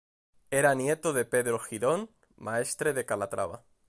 Era nieto de Pedro Girón, Maestre de Calatrava.